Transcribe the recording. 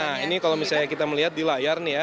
nah ini kalau misalnya kita melihat di layar nih ya